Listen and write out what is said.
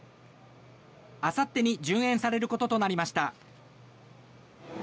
あさってに順延されることとなりました。